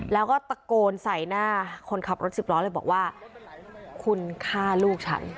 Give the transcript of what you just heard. แล้วก็ตะโกนใส่หน้าคนขับรถสิบล้อเลยบอกว่าคุณฆ่าลูกฉัน